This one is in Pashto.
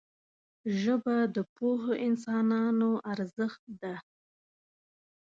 ژبه د پوهو انسانانو ارزښت ده